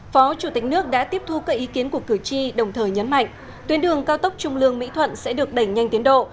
phó chủ tịch nước đã tiếp thu các ý kiến của cử tri đồng thời nhấn mạnh tuyến đường cao tốc trung lương mỹ thuận sẽ được đẩy nhanh tiến độ